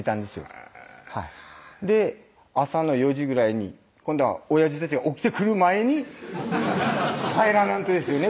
へぇで朝の４時ぐらいに今度はおやじたちが起きてくる前に帰らなんとですよね